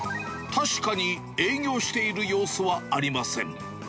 確かに営業している様子はありません。